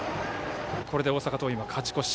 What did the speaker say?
これで大阪桐蔭、勝ち越し。